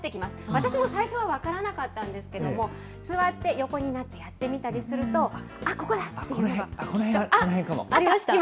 私も最初は分からなかったんですけれども、座って横になってやってみたりすると、あっ、ここだっていうのが。